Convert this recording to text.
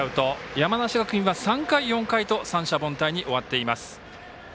山梨学院は３回、４回と三者凡退に終わっています。